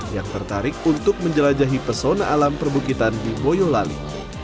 yang tertarik untuk menjelajahi pesona alam perbukitan di boyolali